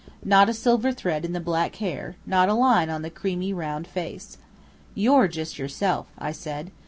Not a silver thread in the black hair, not a line on the creamy round face. "You're just yourself," I said.